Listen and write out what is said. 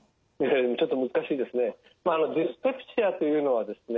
ちょっと難しいですね。